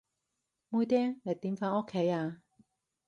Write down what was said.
妹釘，你點返屋企啊？